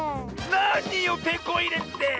なによテコいれって！